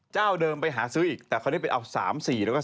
จะเอาเดิมไปหาซื้ออีกแต่คนนี้เป็นเอา๓๔แล้วก็๓๕